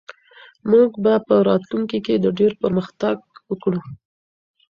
موږ به په راتلونکي کې ډېر پرمختګ وکړو.